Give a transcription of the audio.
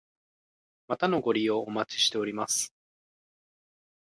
またのご利用お待ちしております。